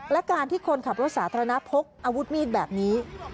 และการที่คนขับรถสาธารณะพกอาวุธมีดแบบนี้